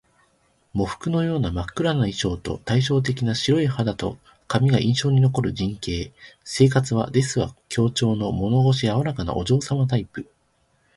喪服のような真っ黒な衣装と、対照的な白い肌と髪が印象に残る人形。性格は「ですわ」口調の物腰柔らかなお嬢様タイプ